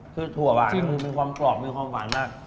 ส่วนถั่วมีความกรอบความหวานมาก